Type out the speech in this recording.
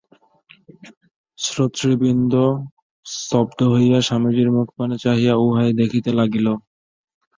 শ্রোতৃবৃন্দ স্তব্ধ হইয়া স্বামীজির মুখপানে চাহিয়া উহাই দেখিতে লাগিল।